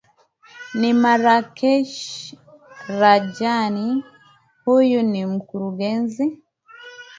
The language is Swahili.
ni narakesh rajani huyu ni mkurugenzi